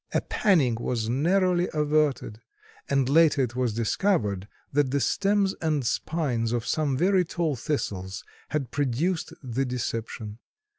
A panic was narrowly averted, and later it was discovered that the stems and spines of some very tall Thistles had produced the deception.